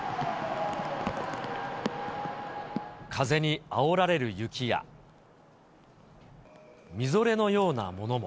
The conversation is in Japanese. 風にあおられる雪や、みぞれのようなものも。